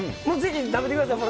食べてください。